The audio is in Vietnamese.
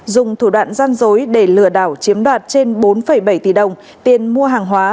dùng thủ đoạn gian dối để lừa đảo chiếm đoạt trên bốn bảy tỷ đồng tiền mua hàng hóa